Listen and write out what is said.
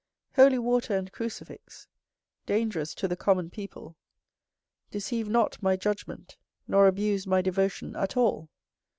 Holy water and crucifix (dangerous to the common people) deceive not my judgment, nor abuse my devotion at all.